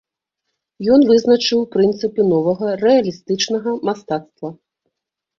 Ён вызначыў прынцыпы новага рэалістычнага мастацтва.